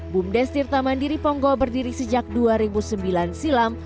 bumdes tirtamandiri ponggok berdiri sejak dua ribu sembilan silam